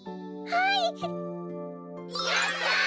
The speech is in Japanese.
はい？